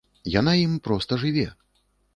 Яна ім проста жыве!